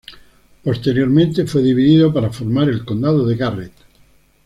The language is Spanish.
Posteriormente fue dividido para formar el condado de Garrett.